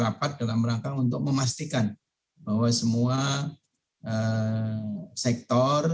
tapi kita tepat dalam rangka untuk memastikan bahwa semua sektor